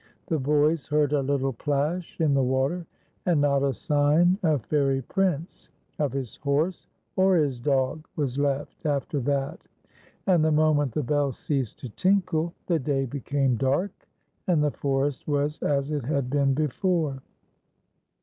The boys lieard a h'ttle plash in the water, and not a sign of Fairy Prince, of his horse, or his dog was left after that, and the moment the bell ceased to tinkle the day became dark, and the forest was as it had been before.